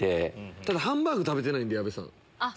ただハンバーグ食べてないんで矢部さん。